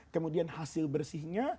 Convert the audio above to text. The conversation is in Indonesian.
kemudian hasil bersihnya